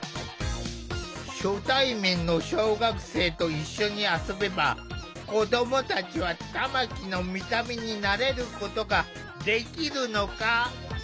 初対面の小学生と一緒に遊べば子どもたちは玉木の見た目に慣れることができるのか？